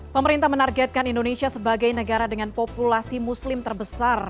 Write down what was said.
pemerintah menargetkan indonesia sebagai negara dengan populasi muslim terbesar